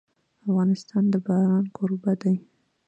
افغانستان د باران کوربه دی.